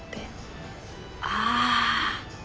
ああ。